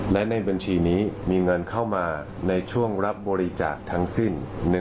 และในบัญชีนี้มีเงินเข้ามาในช่วงรับบริจาคทั้งสิ้น